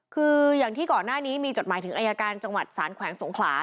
คืออย่างที่ก่อนหน้านี้มีจดหมายถึงอายการจังหวัดสารแขวงสงขลา